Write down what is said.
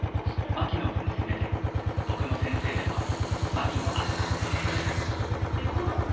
マキノの娘で僕の先生でもある牧野アンナ。